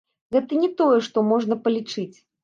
Гэта не тое, што можна палічыць.